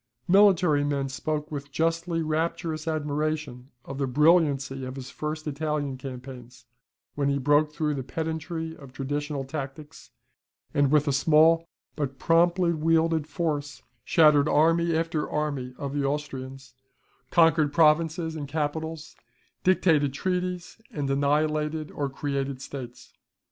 Military men spoke with justly rapturous admiration of the brilliancy of his first Italian campaigns, when he broke through the pedantry of traditional tactics, and with a small but promptly wielded force, shattered army after army of the Austrians, conquered provinces and capitals, dictated treaties, and annihilated or created states.